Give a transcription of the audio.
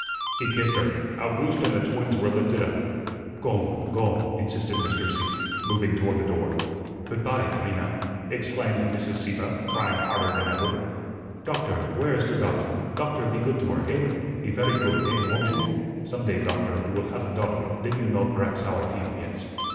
He kissed her. Owgooste and the twins were lifted up. "Gome, gome," insisted Mr. Sieppe, moving toward the door. "Goot py, Trina," exclaimed Mrs. Sieppe, crying harder than ever. "Doktor where is der doktor Doktor, pe goot to her, eh? pe vairy goot, eh, won't you? Zum day, Dokter, you vill haf a daughter, den you know berhaps how I feel, yes."